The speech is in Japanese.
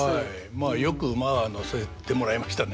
まあよく馬は乗せてもらいましたね。